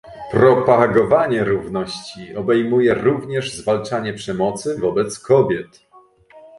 Propagowanie równości obejmuje również zwalczanie przemocy wobec kobiet